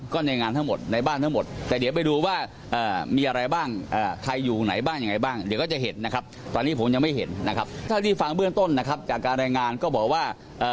ใครถ้าที่ฟังเบื้องต้นนะครับจากการรายงานก็บอกว่า